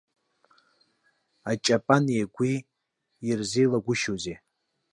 Аҷапани агәи ирзеилагәышьоузеи!